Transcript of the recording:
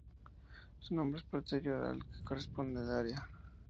Su nombre es posterior al que corresponde al área.